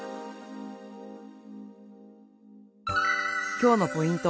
今日のポイント